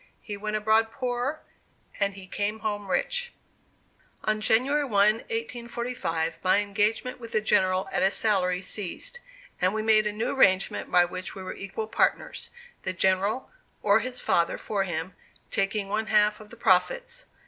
He went abroad poor, and he came home rich. On January 1, 1845, my engagement with the General at a salary ceased, and we made a new arrangement by which we were equal partners, the General, or his father for him, taking one half of the profits.